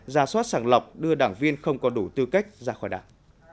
ra soát sàng lọc đưa đảng viên không có đủ tư cách ra khỏi đảng